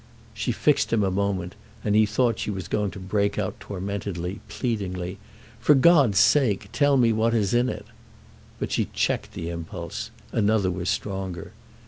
She fixed him a moment, and he thought she was going to break out tormentedly, pleadingly: "For God's sake, tell me what is in it!" But she checked this impulse—another was stronger.